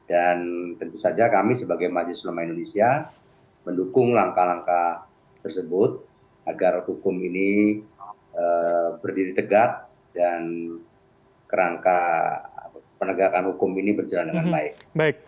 dan tentu saja kami sebagai majelis selama indonesia mendukung langkah langkah tersebut agar hukum ini berdiri tegak dan kerangka penegakan hukum ini berjalan dengan baik